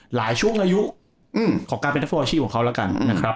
หลายช่วงอายุของการเป็นทัฟโฟอาชีพของเขาแล้วกัน